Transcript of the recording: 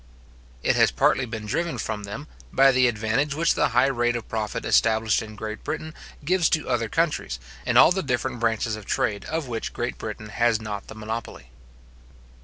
It has partly been driven from them, by the advantage which the high rate of profit established in Great Britain gives to other countries, in all the different branches of trade of which Great Britain has not the monopoly.